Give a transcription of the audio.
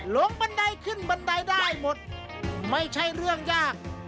บันไดขึ้นบันไดได้หมดไม่ใช่เรื่องยาก